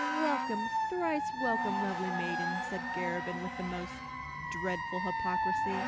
"Welcome, thrice welcome, lovely maiden," said Garabin with the most dreadful hypocrisy.